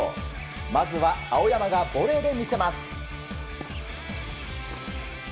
まずは、青山がボレーで見せます。